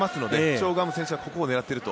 チョ・グハム選手がここを狙っていると。